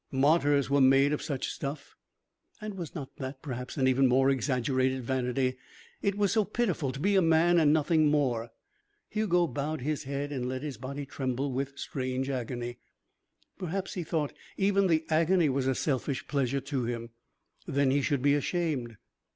Martyrs were made of such stuff. And was not that, perhaps, an even more exaggerated vanity? It was so pitiful to be a man and nothing more. Hugo bowed his head and let his body tremble with strange agony. Perhaps, he thought, even the agony was a selfish pleasure to him. Then he should be ashamed.